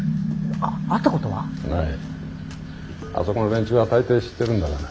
あそこの連中は大抵知ってるんだがな。